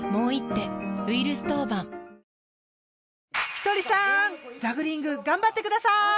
ひとりさんジャグリング頑張ってください。